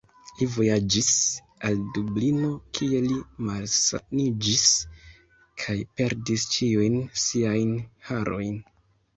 Li vojaĝis al Dublino, kie li malsaniĝis, kaj perdis ĉiujn siajn harojn.